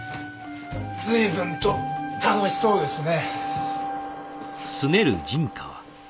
随分と楽しそうですね。